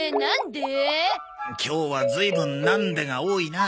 今日はずいぶん「なんで」が多いな。